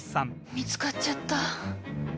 見つかっちゃった。